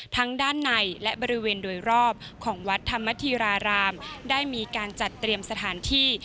ทั้งด้านในและบริเวณโดยรอบของวัดธรรมธีรารามได้มีการจัดเตรียมสถานที่